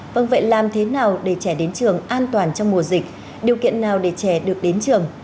vâng vậy làm thế nào để trẻ đến trường an toàn trong mùa dịch điều kiện nào để trẻ được đến trường